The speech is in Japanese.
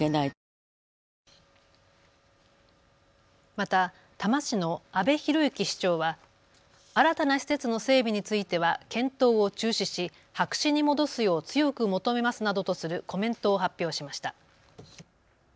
また多摩市の阿部裕行市長は新たな施設の整備については検討を中止し、白紙に戻すよう強く求めますなどとするコメントを発表しました。